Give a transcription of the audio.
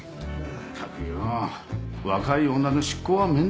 ったくよ若い女の執行は面倒くせえぜ。